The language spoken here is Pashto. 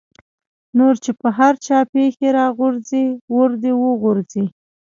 نور چې په هر چا پېښې را غورځي ور دې وغورځي.